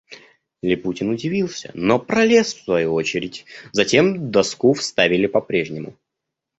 Липутин удивился, но пролез в свою очередь; затем доску вставили по-прежнему.